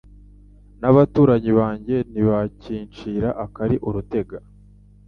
n’abaturanyi banjye ntibakincira akari urutega